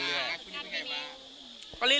เป็นไงบ้าง